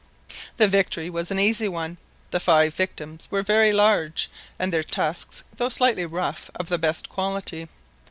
The victory was an easy one; the five victims were very large and their tusks, though slightly rough, of the best quality.